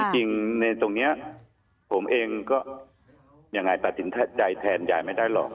จริงในตรงนี้ผมเองก็ยังไงตัดสินใจแทนยายไม่ได้หรอก